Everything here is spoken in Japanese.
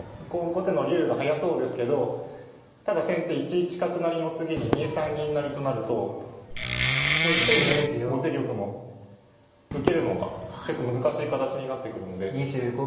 後手の竜が速そうですけどただ先手１一角成の次に２三銀成と成るともういっぺんに後手玉も受けるのが結構難しい形になってくるので。